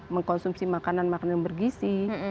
mengkonsumsi makanan makanan yang bergisi